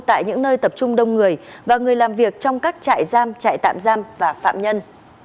tại những nơi tập trung đông người và người làm việc trong các trại giam trại tạm giam và phạm nhân